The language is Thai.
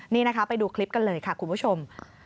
นี่นะคะไปดูคลิปกันเลยค่ะคุณผู้ชม